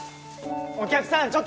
お客さん！